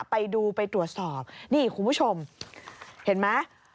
ไปดูไปตรวจสอบนี่คุณผู้ชมเห็นไหม